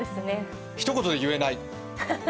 一言で言えない。